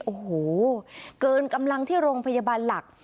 โอ้โหเกินกำลังที่โรงพยาบาลหลัก